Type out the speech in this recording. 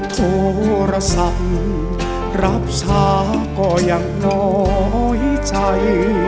โทรศัพท์รับช้าก็ยังน้อยใจ